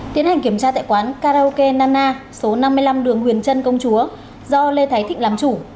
tiến hành kiểm tra tại quán karaoke nana số năm mươi năm đường huyền trân công chúa do lê thái thịnh làm chủ